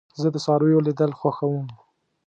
زه د څارويو لیدل خوښوم.